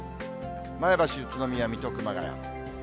前橋、宇都宮、水戸、熊谷。